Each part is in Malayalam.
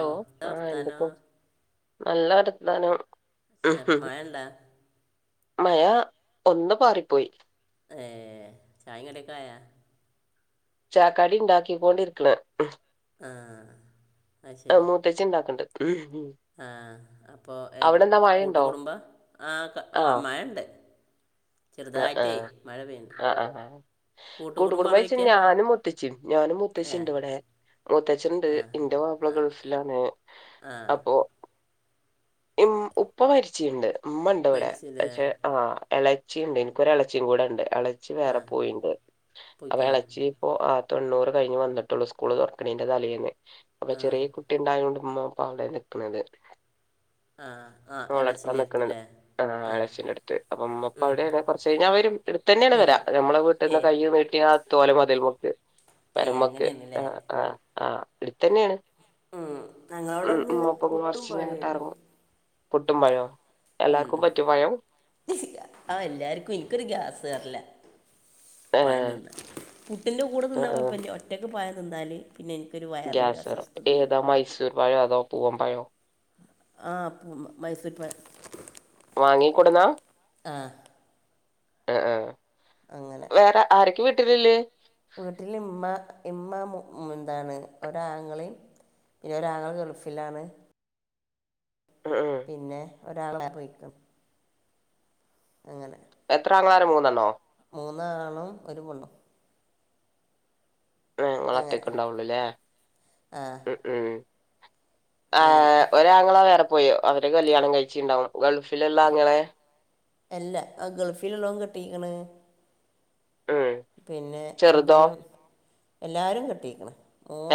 ഓ എന്താ ആ വർത്താനോ എന്തൊക്കെ നല്ല വർത്താനം മഴണ്ടാ മഴ് ഒന്ന് പാറിപ്പോയി. ഏ ചായും കടിയൊക്കെ ആയൊ ചാക്കടി ഉണ്ടാക്കിക്കൊണ്ടിരിക്കണ് ആഹ് ആ ഹ്അശരി പൈസഉണ്ടാക്കണ്ട് ആഹ് അപ്പോ കൂട്ട മഴയുണ്ടോ കുടുംബ ആ മ മഴ ണ്ട് യാ ആ പെയ്യുന്നുണ്ട് ആഹ് ആഹ് ആഹ് കൂട്ടു കുടുംബ കൂട്ടുകുടുംബമാണോ യാട്ട് വയ്ക്കുക ഞാനും മുത്തച്ചിം ഞാനും മുത്തശ്ശിം ഏ ഉണ്ട് ഇവിടെ മുത്തച്ഛനുണ്ട് ഇന്റെ മാപ്പള ഗൾഫിലാണ് ആഹ് ഇം ഉപ്പ മരിച്ചിണ്ട് ഉമ്മണ്ട് ഇവിടെ മനസ്സിലെ പക്ഷെ ആഹ് എളച്ചിയുണ്ട് എനിക്കൊരു എളച്ചിയും കൂടെ ഉണ്ട് എളച്ചി ആ വേറെ പോയിണ്ട് അപ്പൊ പോയിക്കണേ എളച്ചി ഓ ആ തൊണ്ണൂറ് കഴിഞ്ഞ് വന്നിട്ടുള്ളൂ സ്കൂൾ തുറക്കണീന്റെ തലേന്ന് അപ്പൊ ആ ചെറിയ കു ട്ടി ഉണ്ടായൊണ്ട് ഉമ്മപ്പെ അവിടെയാ നിൽക്കുന്നത് ആഹ് ആ ഇളച്ചിന് അവളടുത്താനിക്കണേന്ന് ഇരുത്തില്ലേ ആഹ് ആ എളച്ചീന്റെ അടുത്ത് ഉം, ഉമ്മപ്പഅവിടെ യാണ്കുറച്ച് കഴിഞ്ഞവരും ഇവിടെ തന്നെയാണ് പെരാ വരും നമ്മടെ ഏ വീട്ടീന്ന്കൈയ്ഒന്ന്‌ നീട്ടിയാ തോല മതിൽമക്ക് ഏയ് പെരംമക്ക് അങ്ങനെയാണല്ലേ ആ ആ ഹ് ആഹ് ഇടുത്ത തന്നെയാണ് ഉം ഞങ്ങളവിടെ ഇന്ന് പുട്ടും കുറച്ച് കഴിഞ്ഞ് പഴവും അങ്ങട്ട് ആയിരുന്നു ഇറങ്ങും പുട്ടും പഴവോ ഉം ഉം [unintelligible] ആ എല്ലാർക്കും എനിക്കൊരു ഗ്യാസ് കേറല ഏ പഴം തിന്ന പുട്ടിന്റെ കൂടെ ആ തിന്നാ ആ കുഴപ്പില്ല ഒറ്റക്ക് പഴം തിന്നാല് പിന്നെ എനിക്കൊരു വയറിനൊരു അസൊസ്ഥത അതോ മൈസൂർ പഴവോ അതോ പൂവം പയോ ആഹ് പൂ മൈസൂരി പയം വാങ്ങിക്കൊടുന്നാ ആ ആ വേറെ ആരക്ക വിട്ടിലുള്ളത് വീട്ടില്ഇമ്മ ഇമ്മ എന്താണ് ഒരാങ്ങളെയും ഇനി ഒരാങ്ങള ഗൾഫിലാണ് ഉം ഉം പിന്നെ ഒരാള പോയിക്കും അങ്ങനെ എത്രാംങ്കാരം മൂന്നെണ്ണോ മൂന്നാണും ഒരു പെണ്ണും ആ ങ്ങ ള് അങ്ങനെ ഒറ്റക്കെ ഉണ്ടാവുള്ളൂല്ലേ ആ ഉ ഉ ആ അങ്ങനെ ഒരാങ്ങളാ വേറെ പോയോ അവരുടെ കല്യാണം കഴിച്ചിട്ടുണ്ടാവും ഗൾഫിലുള്ള ആങ്ങളെ അല്ല ആ ഗൾഫിലുള്ളവൻ കെട്ടിക്കണ് ഉം പിന്നെ ചെറുതോ ഇബനും എല്ലാരും കെട്ടിരിക്കണ്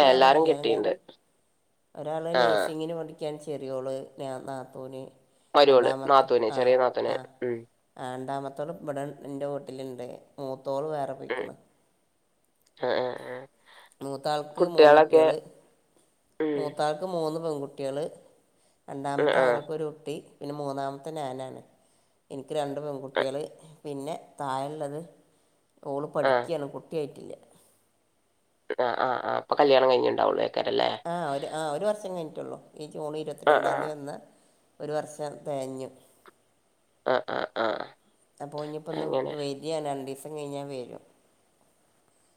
ഏ എല്ലാരും കല്യാണം കെട്ടിയിണ്ട് കഴിഞ്ഞു ഒരാള് ആ നഴ്സിങ്ങിന് പഠിക്കാൻ ചെറിയോള് നാത്തൂന് മരുമോള് രണ്ടാമത്ത നാത്തൂന് ആഹ് ചെറിയ നാത്തൂന് ആഹ് ഉം ആരണ്ടാമത്തോള്ഇവിട എന്റെ വീട്ടിലുണ്ട് മൂത്തോള് വേറെ ഉം പൊയിക്കണ് ആ ആ ആ മൂത്താൾക്ക് കുട്ടികളൊക്കെ മൂന്ന്കുട്ടികള് ഉം മൂത്താൾക്ക് മൂന്ന് പെൺകുട്ടികള് ആ രണ്ടാമത്തെ ആ ആങ്ങൾക്ക്ഒരു കുട്ടി പിന്നെ മൂന്നാമത്തെ ഞാനാണ് എനിക്ക് രണ്ട് പെൺകുട്ടികള് പിന്നെ താഴെ ഉള്ളത് ഓള് ആ പഠിക്കയാണ് കുട്ടിയായിട്ടില്ല ആ ആ ആഇപ്പെ കല്യാണം കഴിഞ്ഞുണ്ടാവുള്ളൂ ആർക്കാരല്ലെ ആ ഒരു ആ ഒരു വർഷം കഴിഞ്ഞിട്ടുള്ളൂ ഈ ജൂൺ ഇരുപത്തി ആ ആ രണ്ടാം തീയതി വന്ന് ഒരു വർഷം തേഞ്ഞു ആ ആ ആ അപ്പൊഞ്ഞപ്പോ അങ്ങനെ വരും [unintelligible] രണ്ടിസം കഴിഞ്ഞാ വരും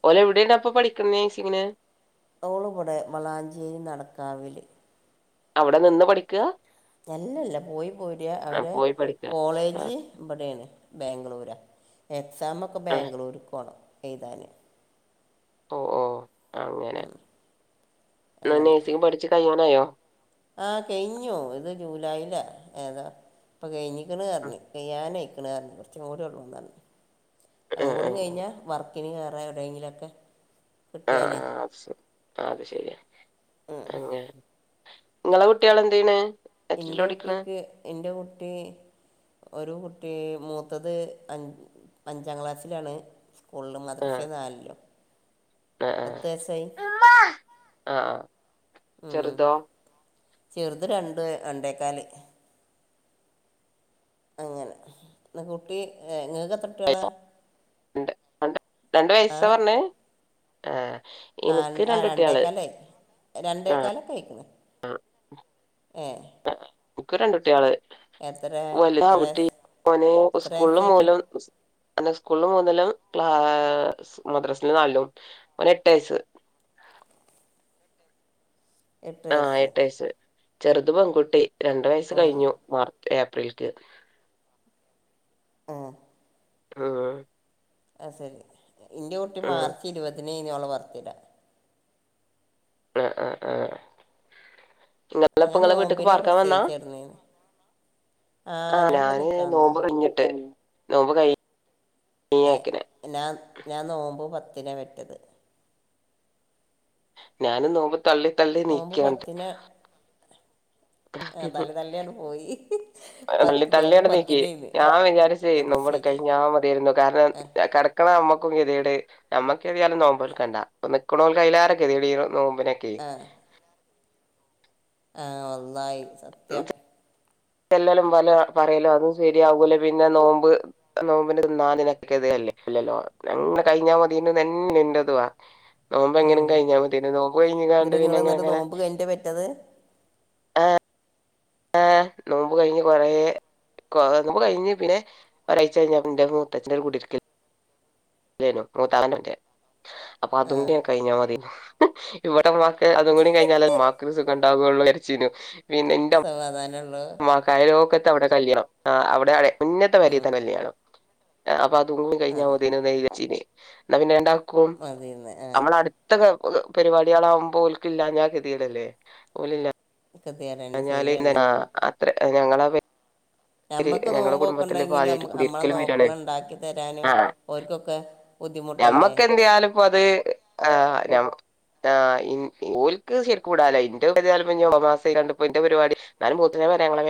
ഓലെ എവിടെപ്പ പഠിക്കുന്നേ നേഴ്സിംഗിന് ഓള് ഇവിടെമ ളാഞ്ചേരി നടക്കാവില് അവ്ടെ നിന്ന് പഠിക്കാ അല്ലല്ല പോയി പോരൃ അവരെ പോയി പഠിക്കുക ആ കോളേജ് ഇബടേണ് ബേഗ്ലൂരാ എക്സാമൊക്കെ ആ ബേഗ്ലൂർക്കോണം എഴ്താന് ഓ ഓ അങ്ങനെ ന്നാ അങ്ങനെ നെഴ്സിങ് പഠിച്ച് കഴിയാനായോ ആ കഴിഞ്ഞു ഇത് ജൂലൈലാഏതാ ഇപ്പ കഴിഞ്ഞ് ആഹ് ക്ണ്റഞ്ഞു കഴിയാഞ്ഞയ്ക്ണ്ർഞ്ഞു കൊറച്ചുകൂടൃള്ളൂന്നർഞ്ഞു ആഹ് ഔകൂടിംകഴിഞ്ഞാവർക്ക് [unintelligible] പക്കിന് കയറ എവിടെയങ്കിലൊക്കെ അ ആ അത് ശരി ആ അത് ശരിയാ അങ്ങനെ ങ്ങളെ കുട്ടൃൾ എന്തെയ്യ്ണ് ഇൻ്റെ കുട്ടിക്ക് ഇൻ്റെ കുട്ടീ ഒരു കുട്ടീ മൂത്തത് അഞ്ച് അഞ്ചാം ക്ലാസ്സിലാണ് ഉള്ള് മതർസി നാലിലും അ പത്ത് വയസ്സായി ആ [unintelligible] ആ ഉം. ചെറുതോ ചെറുത് രണ്ട് രണ്ടേക്കാല് അങ്ങനെ ന്ന്കുട്ടി ങൾക്കത്രട്ടൃളാ വയസ്സോ? രണ്ട് രണ്ട് രണ്ട് ആ വയസ്സാറഞ്ഞേ ആ ആ ണ്ട് ആ രണ്ടേക്കാലായി ആഹ് രണ്ടേക്കാലൊക്കെയിക്കുണ് ഏ ആ ക്ക് രണ്ടുട്ടിയാള് എത്ര വല [unintelligible] എത്ര ആൺകുട്ടി വയസ്സ് ഓന് എത്ര വയസ്സായിക്കണ് സ്കൂളിൽമൂലം ണ് സ്കൂളിൽ മൂന്നിലും ക്ലാ സ് മദ്രസിൽ നാല്ലും ഓന് എട്ട് യസ്സ് എട്ട് ആ വയസ്സ് എട്ട് യസ്സ് ചെറ്ത് പെൺകുട്ടി രണ്ട് വയസ്സ് ആ കഴിഞ്ഞു മാർ ഏപ്രിൽക്ക് ആ മ് ആ സരി ഇന്റുട്ടി ഉം മാർച്ച് ഇരുപതിനേയ്നീംഓള വർത്തിഡാ അ അ ആ ഞാൻ ങ്ങളപ്പോങ്ങളെവീട്ട്ക്ക് നോമ്പിനെ പാർക്കാൻ വന്നാ പ്രസവിച്ചിരുന്നേന്ന് ആ ഞാൻ ഇവിടെ ഞാന് നോമ്പ് നിൽക്കാവുന്നതാണ് കഴഞ്ഞിട്ട് നോമ്പ് കൈ ഏ ഞാൻ ഞാൻ നോമ്പ് പത്തിനാ വെറ്റത് ഞാനും നോമ്പ് തള്ളി തള്ളി നോമ്പ് നീക്കൃണ്ട് ഏതാലുംനല്ലി [unintelligible] പോയി [unintelligible] തള്ളി പത്ത് നോമ്പ് തള്ളിങട്ട്നീക്കി പത്തിനേന്ന് ഞാൻ വിചാരിച്ചെ ഞാൻ നമ്മടെ പ്രസവിച്ച് കഴിഞാ മതിയായിരുന്നു കാരണം ആ കട ക്ണ നമ്മകും കെതേട് നമ്മക്കേതേലും നോമ്പ്നോൽകണ്ട നിക്ക്ണോൽക് അയിലാറെകതീട് നോമ്പിനൊക്കെ ആ ആ വളളായി സത്യം എല്ലലും വല പറയലും അതും സെരിയാകൂല പിന്നെ നോമ്പ് നോമ്പിന് നാലിനൊക്കെ ത് അല്ലേ അല്ലല്ലോ [unintelligible] ഞങ്ങ കഴിഞ്ഞാമതീനുന്നെ ൻ്റെദുആ നോമ്പ് എങ്ങനിം ഉം. കഴിഞ്ഞാമതീനു നോപ്പ് കഴിഞ്ഞ്ങാണ്ട് എന്നിട്ട് പിന്നെ നിങ്ങൾ എന്നിട്ട് ങ്ങനെങ്ങനെ നോമ്പ് കഴിഞ്ഞിട്ട് പറ്റത് ആ ആ നോമ്പ് കഴിഞ്ഞ് കൊറേ [unintelligible] നമ്മ കഴിഞ്ഞ് പിന്ന ഒരാഴ്ച കഴിഞ്ഞ ന്റെ മൂത്തച്ഛന്റെകുടിരിക്കല് ല്ലേനു [unintelligible] മൂത്താനന്റെ അപ്പൊ ആ അതുകൂടംണ്ട് കഴിഞ്ഞാൽ മതി ഇവിടെമ്മാ ഏ അതും കൂടി കഴിഞ്ഞാൽ മ്മാക്കൊരുസുഖണ്ടാകൊള്ളൂരച്ചിനു പിന്നെ [unintelligible] അതാനള്ളത് ആ കയലോകത്ത് അവിടെ കല്യാണം ആ അവിടെ അ മുന്നത്തെ ഉം. പെരീത്തെ കല്യാണം നഅപ്പൊ അതൂഊം ആ കഴിഞ്ഞാമതിന്നജാര്ച്ചീനെ എന്നാ പിന്നെ രണ്ടാക്കും മതി ആ നമ്മളടു ത്തക പരിപാടികളാവകുമ്പോ ഓൽക്കില്ലാഞാൽ കെതിയേടല്ലേ ഓലില്ലാ ഇത്രാണ് [inaudible] ഞാ [unintelligible] അത്ര ഞങ്ങളാപെ ഞമ്മക്ക് നോമ്പോക്കെണ്ടെങ്കിലും ആദ്യായിട്ട് നമ്മളെ കുടിയിരിക്കലും വരാണ് നോക്ക്ണണ്ടാക്കി തെരാനും ആഹ് ഓൽക്കൊക്കെ ഞമ്മക്ക് എന്ത്യാലുംപ്പൊ അത് ആംഞമ ആ ഇൻ ഓല്ക്ക് ശരിക്കുകൂടാലോ ഇന്റെപ്പ ഏതായാലും ഒബാസ കണ്ടപ്പോന്റെ പരിപാടി എന്നാലും ബൂത്തിന പെര ങ്ങളെ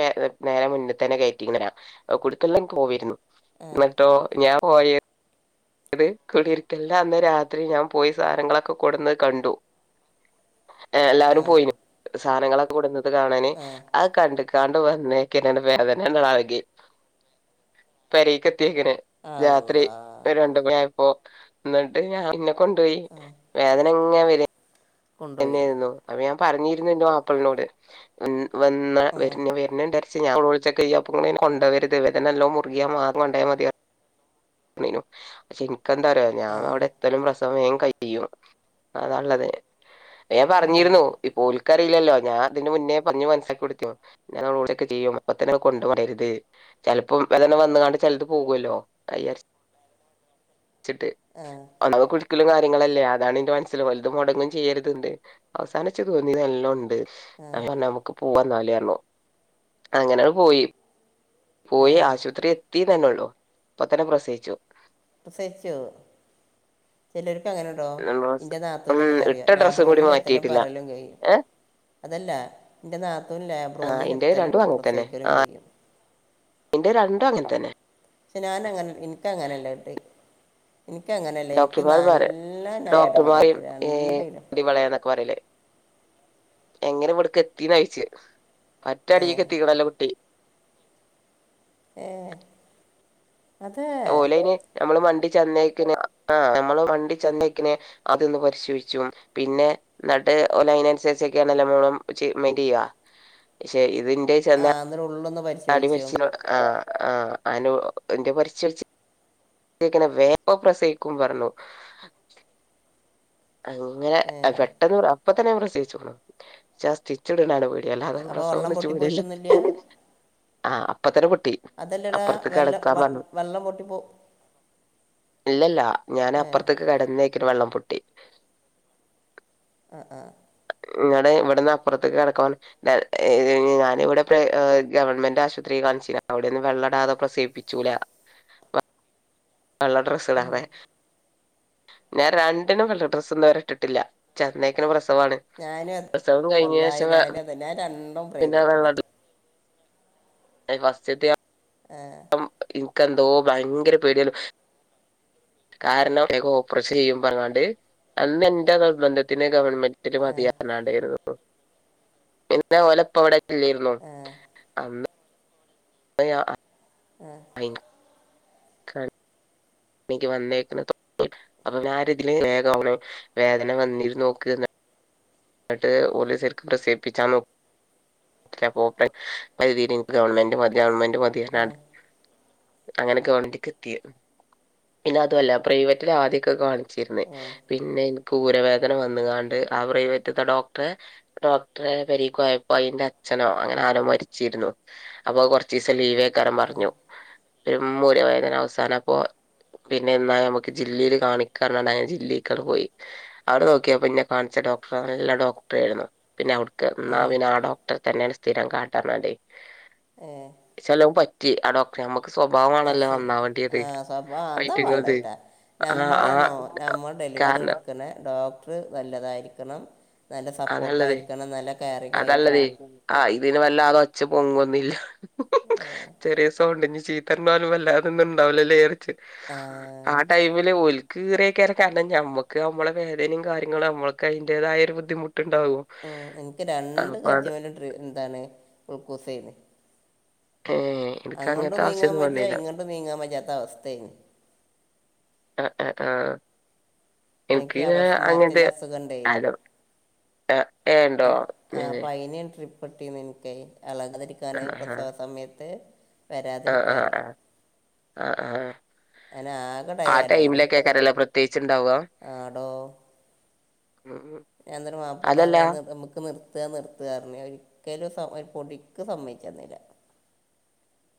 നേരെ മുന്ന തന്നെ കയറ്റി ഇങ്ങനെയ കുടിര്ക്കൽനൊക്കെ പോയിരുന്നു ആ എന്നിട്ടോ ഞാൻ പോയേ ഇത് കുടിര്ക്കല്ൻ്റന്ന് രാത്രി ഞാൻ പോയി സാധങ്ങളൊക്കെ കൊടുന്ന കണ്ടു ആ എല്ലാരും പോയിന് സാധനങ്ങളൊക്കെ കൊട്ന്നത് കാണാന് ആ കണ്ട് കാണ്ട് വന്നേക്കന്നെ വേദന്നെട് എളകി പേരെക്ക് എത്തിക്ക്ണ് രാത്രി അള്ളാ ഒരു രണ്ട് മണിഅയപ്പൊന്നട്ട് ഞാൻ ഇന്നെ കൊണ്ടൊയി വേദനങ്ങനെവരേ കൊണ്ടുപോയി തന്നെയായിരുന്നു അപ്പൊ ഞാൻ പറഞ്ഞിരുന്നു ൻ്റ മാപ്പളനോട് വ വന്ന ഉം, വര്ന വരൻണ്ട [unintelligible] കൊണ്ട വരുത് വേദന മുറികിയ മാത്രം കൊണ്ടായാൽ മതി ന്നു ക്ഷേ എനിക്ക് എന്താറിയൊ ആ ഞാൻ അവിടെ ത്തലും പ്രസവം ൻ കഴും അതള്ളത് ഏ ആ പറഞ്ഞിരുന്നു ഇപ്പൊ ഒല്കറിലല്ലോ ഞാൻ അതിന്റെ മുന്നേ പറഞ് മനസ്സാക്കി കൊടുത്തി ഞാൻഓടോക്കെ ചെയ്യും അപ്പത്തന്നെ കൊണ്ട് പായര്ത് ചെലപ്പോ വേദന വന്നുകാണ്ട് ചെലത് പോകുല്ലോ അയ്യ്ജാരിച്ച് ചിട്ട് ആ അവടെ കുലുക്കലും കാര്യങ്ങളല്ലേ അതാണ് ന്റെ മനസ്സിൽ ഒലത് മൊടങ്ങും ചെയ്യരുത്ണ്ട് അവസാന ച്ച് തോന്നിഇതെല്ലണ്ട് അ പറഞ്ഞ് നമ്മക്ക് പോവാ ന്നാല് റഞ്ഞു അങ്ങനെട് പോയി ആ പോയി ആശുപത്രി എത്തി ന്നെന്നൊള്ളൂ പത്തനെ പ്രസയിച്ചു പ്രസയിച്ചു ചെലൊർക്ക് അങ്ങനെ ടൊ ന്റെ ഉം നാത്തുനെങ്ങനെ അറിയോ ഇട്ട ലേബർ ഡ്രസ്സും കൂടി റൂമിൽ എത്തലും മാറ്റിയിട്ടില്ല പെറലും കഴും ഏഹ് അതല്ല ന്റെ നാത്തൂൻ ആ ലേബ്റൂമിൽ ഇന്റെ എത്തലും രണ്ടും പ്രസയിക്കലും കഴിയും ന്റെ രണ്ടും അങ്ങൻ തന്നെ പക്ഷെ ഞാനങ്ങനെ ഇനക്ക് അങ്ങനല്ല ട്ടേ ഇനിക്കങ്ങനെയല്ലേ ഇനിക്ക് ഡോക്ടർമാർ പറ നല്ല ഞാ എടങ്ങറായിക്ക്ണ് രണ്ടിനും ടിവളെ യന്നൊക്കെ പറിലേ എങ്ങനെ ഇവിടക്ക് എത്തിന്നയിച്ച പറ്റെ ഏ അടീക്ക് എത്തിക്ക്ണലോ കുട്ടി ഏ അതെ ഓല് ഐൻ നമ്മള് മണ്ടി ചെന്നേക്കൻ ആ നമ്മള് മണ്ടി ചെന്നേക്കിൻ അതൊന്ന് പരിശോയിച്ചും പിന്നെ ന്നട്ട് ഓല് അയിനനുസരിച്ചൊക്കെയണല്ലൊ മയിൻ്റ യ്യ പക്ഷെ ഇത് ന്റെ ആ ന്നട്ട് ഉള്ളൊന്ന് പരി തടി പരി ആ ആ് അൻ [unintelligible] എത്തിയേക്കന്നെ വേഗം പ്രസവിക്കു പറഞ്ഞു അങ്ങനെ ഏ പെട്ടെന്ന് അപ്പ തന്നെ പ്രസ് വച്ച്ക്ക്ണു ഇച്ചാസ്റ്റിച്ചട്ണ പേടി എല്ലാതെ അപ്പോൾ വെള്ളം പ്രസവൊന്നു ച്ച് പേടില്ല പൊട്ടിപ്പോയിട്ടൊന്നുമില്ല ആ അപ്പത്തെന്നെ പൊട്ടി അതല്ലടാ അപ്പുറത്തക്ക് വെള്ളം കടക്കാൻ വെ- പറഞ്ഞു വെള്ളം പൊട്ടിപ്പോ ഇല്ലല്ല ഞാൻ ഏ അപ്പുറത്തേക്ക് കിടന്നേക്കന് വെള്ളം പൊട്ടി ആ ആ [unintelligible] ഇവട്ന്ന് അപ്പുറത്തേക്ക് കടക്ക പറഞ്ഞ് ഞാനിവിടെ ഏ ഗവൺമെന്റ് ആശുപത്രിയിൽ കാണിച്ചി അവിടെന്ന് വെള്ളംടാതെ പ്രസസിവിപ്പിച്ചൂല വള്ള ഡ്രസ് ഇടാതെ ഞാൻ രണ്ടിനും വെള്ളം ഡ്രസ്സ് ഇന്ന് വരെ ഇട്ടിട്ടില്ല ചെന്നേക്കെന്നെ പ്രസവാണ് ഞാന് പ്രസവം കഴിഞ്ഞ [unintelligible] ശേഷം ഞാൻ രണ്ടും പിന്നെ പ്രൈവറ്റില അയി ഫസ്റ്റിത്യ ആഹ് ഇനക്ക് എന്തോ ഭയങ്കര പേടിയേന്നു കാരണം ഇൻക്ക് ഓപ്പറേഷേയ്യും പറഞാണ്ട് അന്ന് എന്റെ നിബന്ധത്തിന് ഗവൺമെന്റ് [unintelligible] പിന്നെ ഓലെപ്പംവ്ടെ ഇല്ലേരുന്നു ഏ [unintelligible] [unintelligible] [unintelligible] [inaudible] [unintelligible] നിക്ക് വന്നേക്ക്ണത് അപ്പപ്ന്നാരിതില് വേഗ [unintelligible] വേദന വന്നിര്ന്നോക്ക് എട്ട് ഓല് ശെരിക്ക് പ്രസേപ്പിച്ചാ നോക് [unintelligible] ഗവൺമെന്റ് മതി ഗവൺമെന്റ് മതി [unintelligible] അങ്ങനെ ഗവണ്മെന്റ്ക്കെത്തിയ പിന്നതുവല്ല പ്രൈവറ്റിലാദ്യൊക്കെ കാണിച്ചിരുന്നേ ഏ പിന്നെ എന്ക്ക് ഊരവേദന വന്നുകാണ്ട് ആ പ്രൈവറ്റത്തെ ഡോക്ടറെ ഡോക്ടറെ പരീക്കുയപ്പയ്ന്റച്ഛനോ അങ്ങനാരോ മരിച്ചിരുന്നു അപ്പൊ കൊറ ച്ചീസം ലീവേക്കാരം പറഞ്ഞു [unintelligible] ഊര വേദന അവസാനപ്പൊ പിന്നേന്നാ ഞമ്മക്ക് ജില്ലേല് കാണിക്കാ [unintelligible] ജില്ലേക്കങ് പോയി അവിടെ നോക്കിയപ്പ്ന്നെ കാണിച്ച ഡോക്ടറ് നല്ല ഡോക്ടറേരുന്നു പിന്നെ അവിടുക്ക് ഉം ആ ഏ പിന്നാ ഡോക്ട ട്രെതന്നേണ് സ്ഥിരം കാട്ടണേ ഏ [unintelligible] റ്റി ആ ഡോക്ടറ് ഞമ്മക്ക് ആ സ്വഭാവമാണല്ലോ ശരി നന്നാവണ്ടിയത് ആ സ്വഭാ അതാ വേണ്ട കേട്ടാ [unintelligible] നമ്മളാണോ നമ്മ ഡെലിവറിടുക്ക്ണെ ഡോ ട്റ് നല്ലതായിരിക്കണം. നല്ല അതാള്ളത് സപ്പോർട്ടായിരിക്കണം. നല്ല അതല്ലതെ കെയറിങായിരിക്കണം ആഹ് ഇതിന് വല്ലാത് ഒച്ച പൊങ്ങ്ന്നില്ല ഏ ചെറിയ സൗണ്ട് ഇനി ചീത്തറഞ്ഞോലും വല്ലാതൊന്നും ഉണ്ടാവ് ല്ലേ ലേറിച്ച് ആ ടൈമില് ഓല്ക്ക് [unintelligible] കേറണം ഞമ്മക്ക് അമ്മളെ വേദനേം കാര്യങ്ങളും അമ്മള്ക്ക് അയ്ന്റേതായ ഒരു ബുദ്ധിമുട്ട് ട്ട്ണ്ടാകും ഉ എനിക്ക് രണ്ട് [unintelligible] ഏഹ് എനിക്ക് അങ്ങണ്ടും അങ്ങനത്തെ നീങ്ങാൻ ആവശ്യൊന്നും വയ്യ വന്നില്ല ഇങ്ങണ്ടും നീങ്ങാൻ വയ്യാത്ത അവസ്ഥേനി ആഹ് ആഹ്ആഹ് എനിക്ക് എക്ക് അങ്ങന്ത്തെ അപസ്മാരത്തിൻ്റെ അസുഖം ഉണ്ടേ അത അപ് ആ അപ്പയിനെം ട്രിപ്പ് പൊട്ടിന്നെന്ക്ക് അളക് തിരിക്കാനായ് ആഹ് പ്രസവ സമയത്ത് ആഹ് ആഹ് വരാതിരിക്കാനെ ആഹ് ആഹ് ആഹ് ആ ടയേർഡായിന് ടൈമിലൊക്കേ കരല്ലേ പ്രത്യേച്ണ്ടാവ ഹ് ഹ് ഞാന്നരം മാപ്പളറയ്ന്നിതമ്മ്ക്ക് നിർ നിർത്ത് നിർതറന്ന്. ഒരിക്കലും സ ഒരു പൊടിക്ക് സമ്മയിച്ചന്നില്ല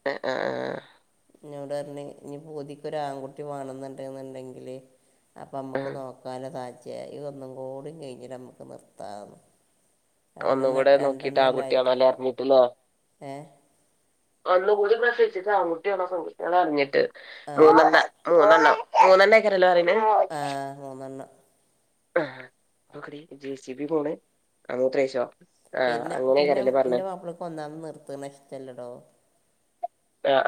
ഏ. ആഹ്. ആഹ് ആഹ് ഇന്നോട്റഞ് ഇഞ്ഞി പൂതിക്കൊരാങ്കുട്ടി വേണൊന്നുണ്ട്ന്നുണ്ടെങ്കില് അപ്പാമ്മ്ക്ക് ആഹ് നോക്കാല്ലോ സാചയായി ഒന്നുംകൂടി കെയിഞ്ഞിരമ്മക്ക് നിർത്താന്ന് ഒന്ന് കൂടെ നോക്കിട്ട് ആങ്കുട്ടിയാണല്ലേറിഞ്ഞീട്ട് നോ ഏ ഒന്നുകൂടി പ്രസവിച്ചിട്ട് ആങ്കുട്ടിയാണോ പെങ്കുട്ടിയാണൊ അർഞ്ഞിട്ട് ആ അങ് നിർ മൂന്നെണ്ണം. മൂന്നെണ്ണേക്കരെല്ലേ പറിണ് ആ മൂന്നെണ്ണം ആഹ് നൊക്കടി. ജേ സി ബി പോണ് അ മൂത്രേയ്ച്ചോ പിന്നെ പിന്നെന്റെമപ്പിളക്ക് ഒന്നാമത് നിർത്ത്ണഷട്ടല്ലടോ ആഹ്.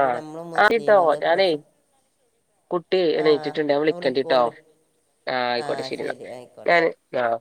ആഹ്. ആയിട്ടോ. മുസ്ലിങ്ങൾ ഞാനേ പ്രസ കുട്ടി ആ എണീറ്റിട്ട്ണ്ട് ഞാവിളിക്കാണ്ടിട്ടോ വിളിക്കോണ്ട് ആഹ് ആ ആയിക്കോട്ടെ ശരിെന്നാ. ശരി ആയിക്കോട്ടെ ഞാന് ആഹ്